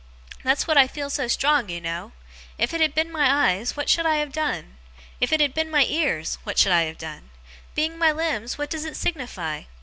That's what I feel so strong, you know! If it had been my eyes, what should I have done? If it had been my ears, what should I have done? Being my limbs, what does it signify?